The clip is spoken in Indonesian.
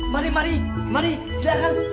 mari mari silakan